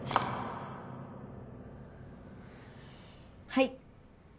はい。